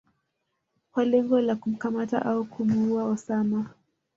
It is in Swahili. kwa lengo la kumkamata au kumuua Osama